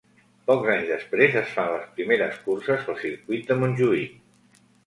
Pocs anys després, es fan les primeres curses al circuit de Montjuïc.